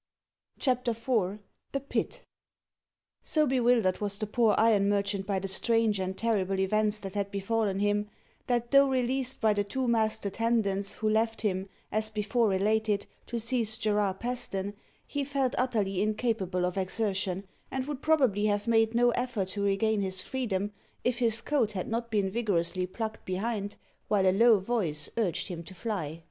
CHAPTER IV THE PIT So bewildered was the poor iron merchant by the strange and terrible events that had befallen him, that, though released by the two masked attendants, who left him, as before related, to seize Gerard Paston, he felt utterly incapable of exertion, and would probably have made no effort to regain his freedom, if his coat had not been vigorously plucked behind, while a low voice urged him to fly.